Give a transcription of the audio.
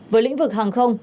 với lĩnh vực hàng không